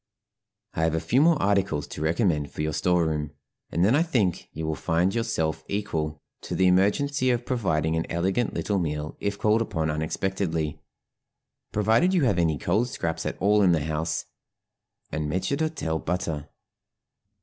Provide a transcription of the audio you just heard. I have a few more articles to recommend for your store room, and then I think you will find yourself equal to the emergency of providing an elegant little meal if called upon unexpectedly, provided you have any cold scraps at all in the house, and maître d'hôtel butter.